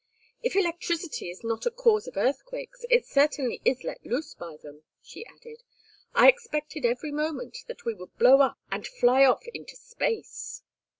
"If electricity is not a cause of earthquakes, it certainly is let loose by them," she added. "I expected every moment that we would blow up and fly off into space."